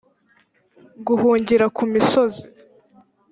guhungira ku misozi